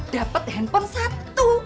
dapet handphone satu